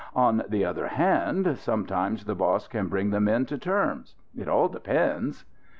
On the other hand, sometimes, the boss can bring the men to terms. It all depends."